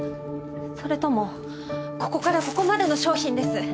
それともここからここまでの商品です。